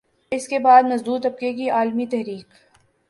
اسکے بعد مزدور طبقے کی عالمی تحریک